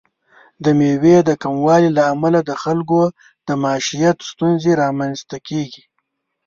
د میوې د کموالي له امله د خلکو د معیشت ستونزې رامنځته کیږي.